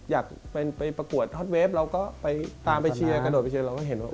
อยากไปประกวดฮอตไว้ฟอร์ดเราก๊อดไปเชียร์